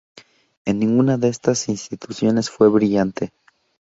En ninguna de estas instituciones fue brillante.